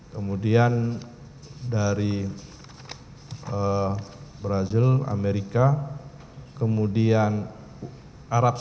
kemudian dari brazil amerika kemudian arab saudi